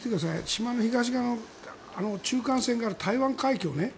島の東側の中間線がある台湾海峡ね。